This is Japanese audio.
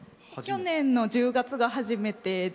去年の１０月が初めてで。